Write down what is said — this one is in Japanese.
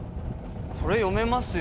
これ、読めますよ。